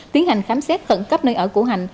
tiến hành khám xét khẩn cấp nơi ở của hạnh